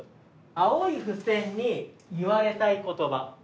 青い付箋に言われたい言葉。